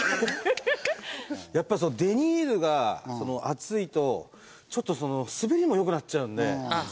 やっぱりデニールが厚いとちょっと滑りも良くなっちゃうんで。